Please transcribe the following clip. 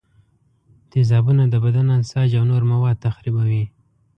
تیزابونه د بدن انساج او نور مواد تخریبوي.